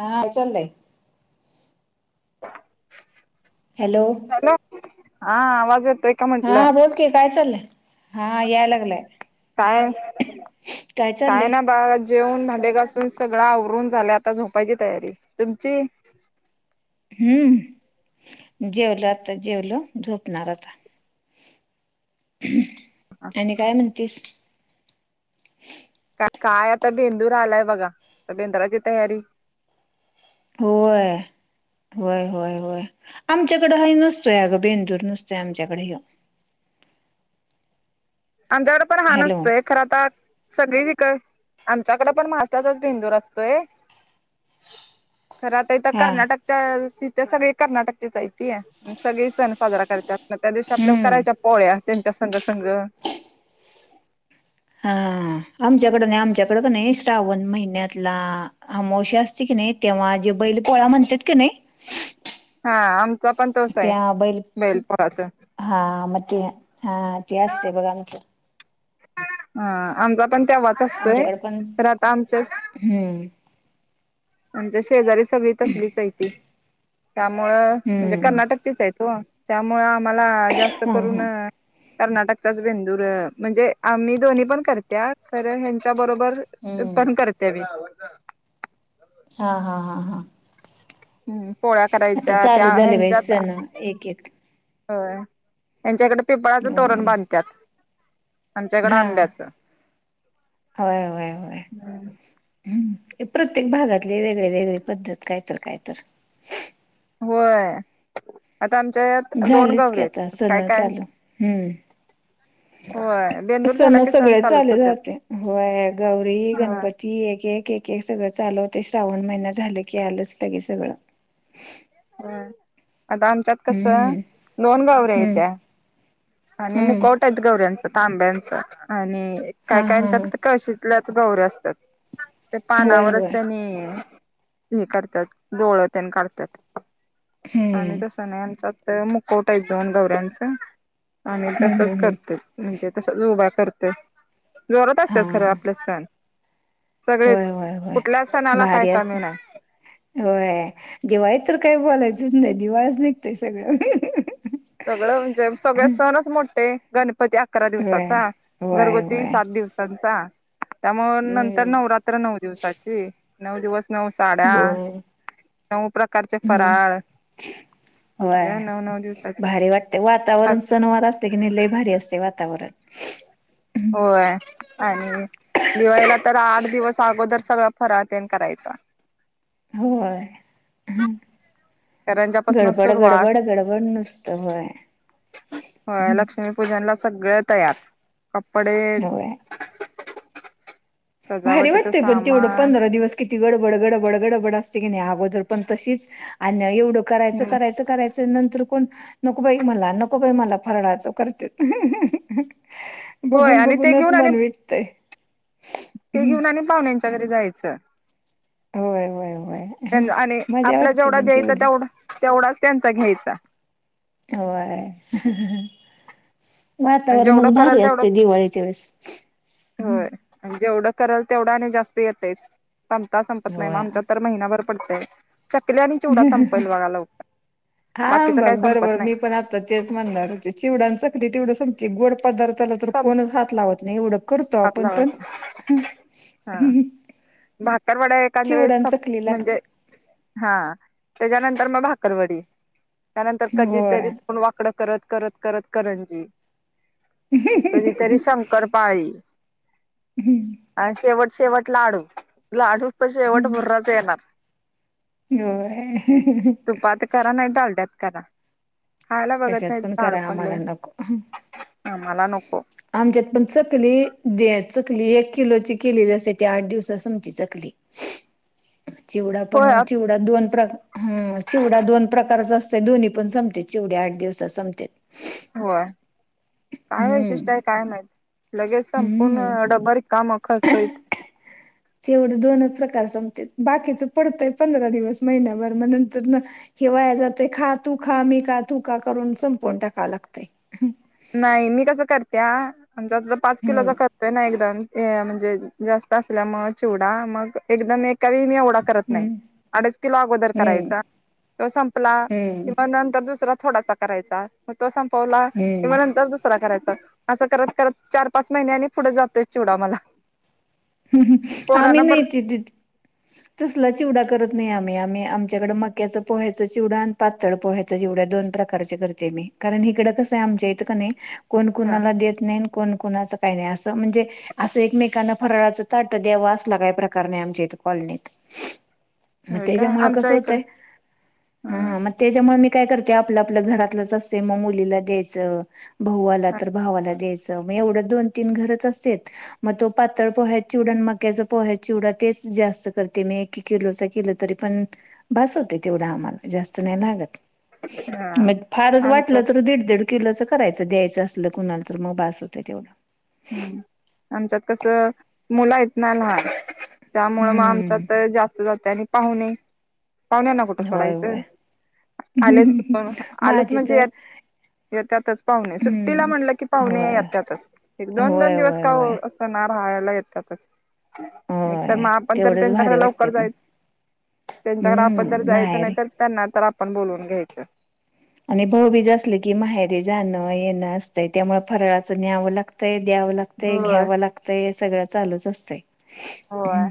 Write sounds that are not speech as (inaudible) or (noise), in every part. हा चाललंय. Hello hello, हा आवाज येतोय. का हा बोल की काय चाललय. कायये काय कायये चाललंय ना बा जेवून भांडे घासून सगळ आवरून झाले. आता झोपायची तयारी आहे. तुमची? हम्म जेवलो आता जेवलो. झोपणार आता. आणि काय म्हणतीस. का काय आता बेंदूर आलाय बघा. बेंदुराची तयारी होय होय होय होय, आमच्याकड नसतोय अग बेंदूर. नसतय आमच्याकडे ह्यो. आमच्याकड पण हा हॅलो नसतोय. खर आता सगळीकडे, आमच्याकडे पण महाराष्ट्राचाच भेंदूर असतोय. खर आता इथ हा कर्नाटक तिथे सगळे कर्नाटकचीच हायती. सगळे सण साजरा करतात. मग त्या दिवशी आपल्या हम्म करायच्या पोळ्या त्यांच्या संघ संघ हा आमच्याकड नाही. आमच्याकड का नाही श्रावण महिन्यात अमोशा असते की नाही, तेव्हा जे बैल पोळा म्हणतात की नाही हा आमचा पण तोच आहे. त्या बैल बैेल पोळात हा म ते, हा ते असतय बघा आमच. हा आमचा पण तेव्हाच असतोय. आमच्याकडे पण तर आता आमच्या हम्म आमच्या शेजारी सगळी तसलीच आहे ती. त्यामुळ, म्हणजे हम्म कर्नाटकचेच आहेत वो. त्यामुळ आम्हाला जास्त हा करून हा कर्नाटकचाच बेंदूर, म्हणजे आम्ही दोन्ही पण करत्या. कारण ह्या त्याच्या बरोबर ते हम्म पण करते मी. हा हा हा हा हम्म, पोळ्या आता करायच्या त्या चालू झाले बाई ह्यांच्यात सण एक एक. होय, त्यांच्याकडे पिंपळाचं तोरण होय बांधतात. आमच्याकड हा आंब्याच‌. होय होय होय. हम्म, प्रत्येक भागातले वेगळी वेगळी पद्धत कायतर कायतर. होय आता आमच्या यात दोन झालीच की गवऱ्या आता आहेत. काय सण काय चालू हम्म होय बेंदूर झाला सण की सगळे चालूच चालू होत्यात राहते. होय गौरी होय गणपती एक एक एक हे सगळ चालु होते. श्रावण महिना झाल की आलच लगेच सगळ. ह आता आमच्यात कस, हम्म दोन गवऱ्या हम्म येत्या. आणि हम्म मुकवट आहेत गवऱ्यांच तांब्यांच. आणि हा काय हा हा कायच्यात कळशी आपल्याच गौऱ्या असतात. ते होय पानावर होय असतात आणि हे करत्यात. डोळ तेन काढतात. हम्म, आणि तस नाही आमच्यात तर मुखवटा आहे दोन गौऱ्यांचा. आणि हम्म, तसच हम्म, हम्म. करत्यात. म्हणजे तसच उभा करत्यात. जोरात असतात खर हां, आपल सण. होय, सगळेच, होय, होय. कुठल्या सणाला काय भारी कमी असतं. नाही. होय, दिवाळीत तर काही बोलायचच नाही. दिवाळच निघतय सगळ. सगळ म्हणजे सगळे सणच मोठे. गणपती अकरा होय, दिवसाचा. होय, घरगुती होय. सात दिवसांचा. त्यामुळे नंतर हम्म, नवरात्र नऊ दिवसाची. नऊ दिवस नउ साड्या होय. नऊ प्रकारचे हम्म, फराळ होय. द्या, नव नव दिवस भारी वाटतंय, वातावरण सनवार असते कि, नाही लयं भारी असते वातावरण. होय, आणि दिवाळीला तर आठ दिवस अगोदर, सगळा फराळ ते करायचं. होय. (unintelligible) च्यापासंन गडबड, सुरुवात. गडबड, गडबड नुसतं होय, (inaudible) ह लक्ष्मी पूजनला सगळं तयार. कपडे होय. भारी सजावटीच वाटतंय पण तेवढं, सामान पंधरा दिवस किती गडबड, गडबड, गडबड असते की नाही अगोदर पण तशीच. अ एवढं करायचं, करायचं, करायचं ते नंतर कोण नकोबाई मला, नकोबाई मला फरळाचं करत्यात. होय बघून आणि ते बघूनच घेऊन आणि मन विटतंय. ते हम्म. घेऊन आणि पाहुण्यांच्या घरी जायचं. होय होय होय (inaudible) (inaudible) आणि मजा आपला वाटते जेवढा पण द्यायचा, तेवढीच तेवढा तेवढाच त्यांचा घ्यायचा. होय. हं हं ह़ं आणि जेवढं वातावरणच भारी कराल तेवढं असते दिवाळीच्या वेळेस. (inaudible) हं होय जेवढं करल तेवढं आणि जास्त येतेच. संपता संपत नाही मग होय आमच्या तर महिनाभर पडतय. चकल्या आणि चिवडा संपल बघा लवकर. हा बाकीच बघ काही संपत बरोबर नाही. मी पण आता तेच म्हणंये, चिवडा, चकली तेवढी संपती. गोड पदार्थाला तर संप कोणच हात लावत नाय. एवढं करतो हात आपण पण. लावायच हं हं भाकरवाड्या एखाद वेळेस संप, चकली लागते म्हणजे हा त्याच्यानंतर मग भाकरवडी. त्यानंतर कधीतरी होय. तोंड वाकडं करत करत करत करंजी. (inaudible) कधीतरी शंकर पाळी हम आणि शेवट शेवट लाडू. लाडू पण शेवट मुर्राच येणार् होय (inaudible) तुपात करा नाही डालड्यात करा. खायला बघत कशात नाहीत, पण दाढ करा आम्हाला पडलेत, नको आम्हाला मला नको. आमच्यात पण चकली, दे चकली एक किलोची केलेली असते. ते आठ दिवसात संपते चकली. (unintelligible) जेवढा होय पण चिवड दोन प्रकार. चिवडा दोन प्रकारचा असतंय, दोनही पण संपते. चिवढा आठ दिवसात संमते. होय. काय वैशिष्ट्य आहे काय माहीत? लगेच संपूर्ण हम्म. डब्बा रीकामा खळखळीत तेवढे दोनच प्रकार संपते. बाकीचं पडतंय पंधरा दिवस महिन्याभर, मग नंतर कि वाया जातंय खा तू, खा मी, तू का करून संपून टाका लागतंय. नाही मी कसं करत्या, (unintelligible) पाच किलोचा हम्म करते ना एकदम हे म्हणजे जास्त असल्या मग चिवडा, मग एकदम एक काही मी एवढा करत नाही. हम्म अडीच किलो अगोदर हम्म करायचा. तो संपला हम्म किंवा नंतर दुसरा थोडासा करायचा. मग तो संपवला की हम्म मग नंतर दुसरा करायचा. असं करत करत चार पाच महिन्या आणि पुढे जातोय चिडा मला. हम्म हम आम्ही पोरांना पण नाहीेत द. तसला चिवडा करत नाही आम्ही आम्ही आमच्याकडे मक्याचं पोह्याचा चिवडा आणि पाातळ पोह्या जेवढ्या दोन प्रकारचे करते मी कारण हिकडं कसं आहे आमच्या इथ क नयी कोण हा कोणाला देत नाही कोण कुणाचं काही नाही असं म्हणजे असं एकमेकांना फरळाचं ताट द्यावं असला काही प्रकार नाही आमच्या इथे कॉलनीत मग होय काय त्याच्यामुळं आमच्या कस इकडे होतय हा ह म. त्याच्यामुळे मी काय करते आपलं आपलं घरातलंच असते मग मुलीला द्यायचं. भाऊ आला तर भावाला द्यायचं म एवढं दोन तीन घरचं असतेत म तो पातळ पोह्याचा चिवडा आणि मक्याचा पोह्याचा चिवडा तेच जास्त करते मी एक एक किलोचा केला तरी पण बास होते तेवढं आम्हाला जास्त नाही लागत हा मग फारच वाटलं आमच्यात तर दीड दीड किलोच करायचं द्यायचं असल कुणाला तर मग भास होत तेवढं ह आमच्यात कसं मुलं आहेत ना लहान त्यामुळ म हम्म आमच्या जास्त जातेयं आणि पाहुणे पाहुण्याना कुठं होय सोडायचं. होय आलेच म आलंच माझी म्हणजेत तर यात यतातचं पाहुणे सुट्टीला हम्म म्हटलं की पाहुणे होय यत्यातच एक दोन होय दोन दिवस होय का हो होय सना राहायला येतातच एकत होय म पण तरी तेवढंच त्यांच्याकडे भारी लवकर वाटतंय पण जायच. तेच्याकडे आपण जर हम्म जायचं नाही माहेरी तर त्यांना तर आपण बोलवून घ्यायचं. आणि भाऊबीज असलं की माहेरी जाणं येणं असतंय त्यामुळे फराळाचं न्यावं लागतंय द्यावं लाग ते होय घ्यावं लागतयं सगळं चालूच असतयं. होय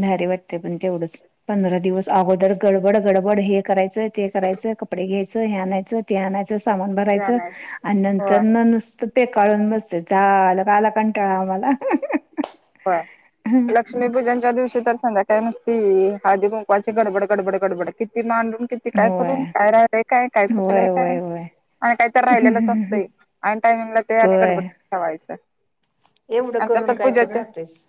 भारी वाटतयं पण तेवढंच. पंधरा दिवस अगोदर गडबड गडबड हे करायचं ते करायचं कपडे घ्यायचं हे आणायचं ते आणाय चं सामान ते भरायचं आणायचं आणि नंतर होय न नुसतं पे काळून बसतयं झालं का आला कंटाळा आम्हाला. होयं लक्ष्मी पूजनच्या दिवशी तर संध्याकाळी नस ती हाळदी कुंकवाची गडबड गडबड गडबड किती मांडून किती काय होय करून काय राहिलयं काय काय चुकलंय होय काय होय होय आणि काहीत राहिलेलंच असतयं आणि टायमिंगला ते आणि होय गडबडीत ठेवायचं. एवढं आमच्या करून काय तर पूजेचे राहतेच.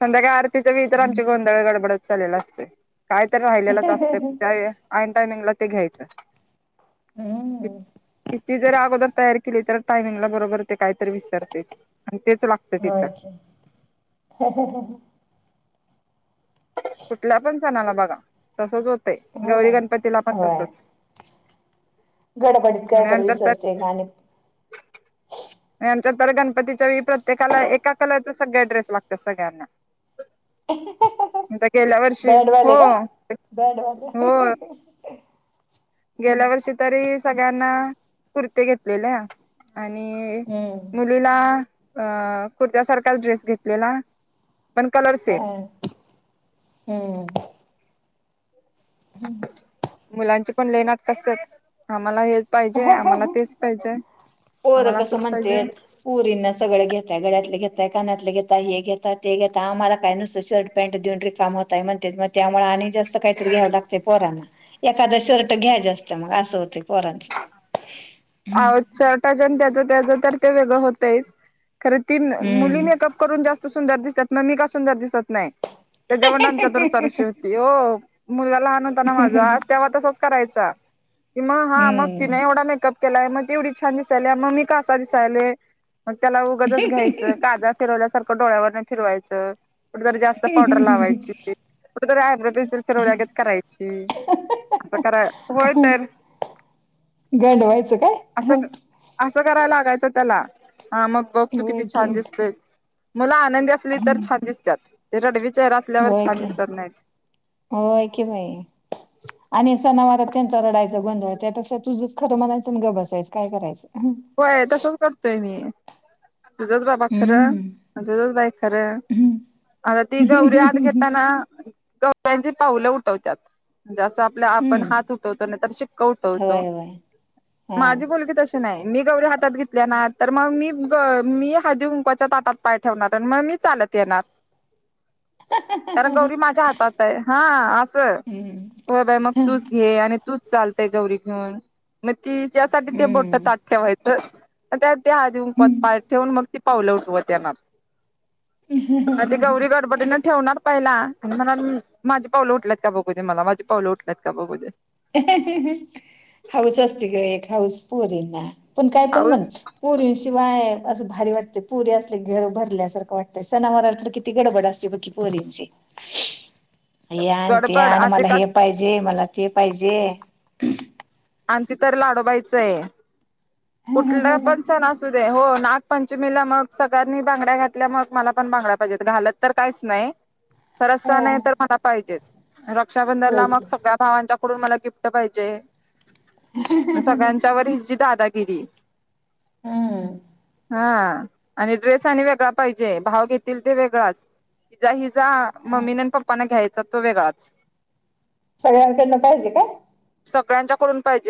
संध्याकाळी आरतीच्या वेळी तर आमची गोंधळ गडबडतच चालेला असतोय काय तर राहिलेलंच असतयं त्यावेळे आयीन टायमिंगला ते घ्यायचं. हम्म ती जर अगोदर तयार केली तर टायमिंगला बरोबर ते कायतरी विसरतेच आणि तेच लाग होयची हे हे हे हे कुठल्या पण सणाला बघा तसच होतंय गौरी होय गणपतीला पण होय तसचं. गडबडीत काय तरी विसरतयं आणि आणि आमच्या तर गणपतीच्या वेळी प्रत्येकाला एका कलरचा सगळं ड्रेस लागत्यात सगळ्यांना (unintelligible) तिथं गेल्यावरं बँडवाले का बँडवाले. हो गेल्या वर्षी तरी सगळ्यांना कुर्ते घेतलेल्या आणि हम्म. मुलीला अ कुर्त्यासारखा ड्रेस घेतलेला. पण कलर हो सेम हो. हम्म. मुलांची पण लयं नाटकं असत्यात आम्हाला हेच पाहिजे आम्हाला तेच पाहिजे. पोरं आम्हाला कसं असंच पाहिजे. म्हणतेत पोरींना सगळं घेताय, गळ्यातले घेताय, कानातले घेतायं, हे घेता ते घेता आम्हाला काय नुसतं शर्ट पॅन्ट देऊन रिकामं होतायं. म्हणत्यात म त्यामुळं आणि जास्त काहीतरी घ्याव लागतयं पोरांना. एखादं शर्ट घ्या जास्त मग असं होतयं पोराचं आ शर्टाचं त्याचं त्याचं तर ते वेगळं होतयच, खरं ती मुली हम्म मेकअप करून जास्त सुंदर दिसतात, मग मी का सुंदर दिसत नाही. त्याच्यावर आमच्या दररोज चा विषय यो, मुलगा लहान होता ना माझा तेव्हा तसच करायचा. कि मग हा मग तिने एवढा मेकअप केलाय, मग तेवढी छान दिसायला, मग मी कसा दिसालोय? मग त्याला उगच घ्यायचं, काजळ फिरवल्यासारखं डोळ्यांवर न फिरवायचं. कुठं जर जास्त पावडर हम्म लावायची, कुठ तरी आयब्रो पेन्सिल फिरवल्यागत करायची. असं कराय, होय तर गंड व्हायचं काय? अस, असं करायला लागायचं त्याला, हा मग बघ तू किती होय छान की. दिसतेस. मुलं आनंदी असली तर छान हम्म दिसत्यात. ते रडवी चेहरा असल्यावर होय छान की दिसत नाहीत. होय कि बाई आणि सणावारात त्यांचा रडायचा बं त्यापेक्षा तुझचं खरं म्हणायचं ग बसायचं काय करायचं. होय, तसंच करतोय मी. तुझंच बाबा खरं हम्म आणि तुझंच बाई खरं. हम्म आता ती गौरी आत घेताना, गौऱ्यांची पाऊलं उठवतात. म्हणजे असं आपला आपण हम्म हात उठवतो नाही तर शिक्का उठवतो, होय होय हा माझी मुलगी तशी नाही‌. मी गौरी हातात घेतल्या ना, तर मग मी मी हळदी -कुंकूच्या ताटात पाय ठेवणार आणि मग मी चालत येणार. कारण गौरी माझ्या हातात आहे. हा अस हम्म हो बाई मग हा. तूच घे आणि तूच चाल ते गौरी घेऊन. मग तिच्यासाठी ते मोट हम्म ताटात ठेवायचं, त्या ते हळदी -कुंकू हम्म पाय ठेवून मग ते पाउल उठवत येणार, मग ते गौरी गडबडीन ठेवणार. पहिला आणि म्हणा माझी पावलं उठल्यात का बघू दे मला, माझी पावलं उठल्यात का बघू दे. हे हे हे, हाऊस असते ग एक हाऊस पोरींना, पण काय पण म्हण हाऊस पुरी शिवाय असं भारी वाटते. पुरी असले घर भरल्यासारखं वाटतय, सनाववरातलं किती गडबड असते बग की, पोरींची. (inaudible) हे आण ते गडबड आण मला, आशिकात हे पाहिजे मला, ते पाहिजे. आमची तर लाडोबायचं आहे. कुठलं पण सण असो सुदे हो नागपंचमीला मग सगळ्यांनी बांगड्या घातल्या मग मला पण बांगड्या पाहिजेत, घालत तर काहीच नाही. खरंच हा सण आहे तर मला पाहिजेच, होय रक्षाबंधनला मग की सगळ्यात भावांच्याकडून मला गिफ्ट पाहिजे. सगळ्यांच्या हेंची दादागिरी हम्. हा आणि ड्रेस आणि वेगळा पाहिजे. भाव घेतील ते वेगळाच, हिजा हिजा मम्मी आणि पप्पांना घ्यायचा तो वेगळाच. सगळ्यांकडनं पाहिजे काय? त्यांचा कडून पाहिजे.